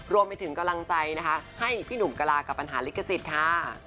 รวมไปถึงกำลังใจนะคะให้พี่หนุ่มกะลากับปัญหาลิขสิทธิ์ค่ะ